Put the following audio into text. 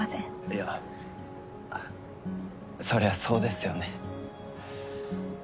いやあっそりゃそうですよね。